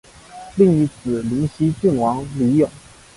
另一子灵溪郡王李咏。